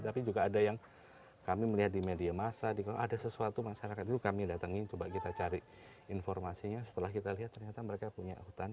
tapi juga ada yang kami melihat di media masa ada sesuatu masyarakat dulu kami datangin coba kita cari informasinya setelah kita lihat ternyata mereka punya hutan